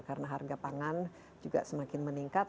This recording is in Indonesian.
karena harga pangan juga semakin meningkat